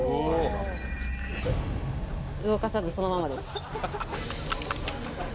動かさずそのままです